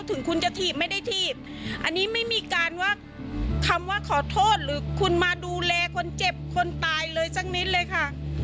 ถึงคุณจะถีบไม่ได้ถีบอันนี้ไม่มีการว่าคำว่าขอโทษหรือคุณมาดูแลคนเจ็บคนตายเลยสักนิดเลยค่ะ